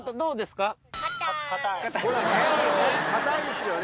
かたいですよね